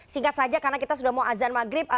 singkat saja karena kita sudah mau azan maghrib